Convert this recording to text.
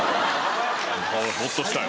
ほっとしたよ。